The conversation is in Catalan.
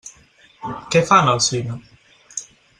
Què fan al cine?